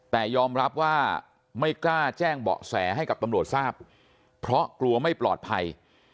แต่ยอมรับว่าไม่กล้าแจ้งเบาะแสให้กับตำรวจทราบเพราะกลัวไม่ปลอดภัย